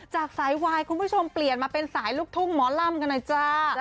จากสายวายคุณผู้ชมเปลี่ยนมาเป็นสายลูกทุ่งหมอลำกันหน่อยจ้า